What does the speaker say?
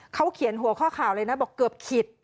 เขาเขียนหัวข้อข่าวเลยนะบอกเกือบขิด